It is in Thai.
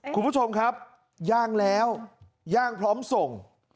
คุณผู้ชมครับย่างแล้วย่างพร้อมส่ง